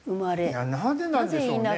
いやなぜなんでしょうね？